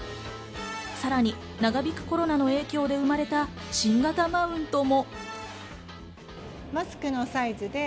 さらに長引くコロナの影響で生まれた新型マウントも。